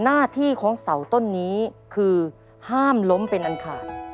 หน้าที่ของเสาต้นนี้คือห้ามล้มเป็นอันขาด